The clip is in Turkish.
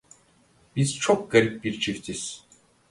Biz çok garip bir çiftiz.